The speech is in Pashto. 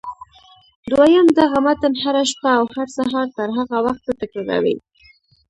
دويم دغه متن هره شپه او هر سهار تر هغه وخته تکراروئ.